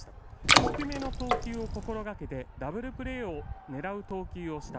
低めの投球を心がけてダブルプレーを狙う投球をした。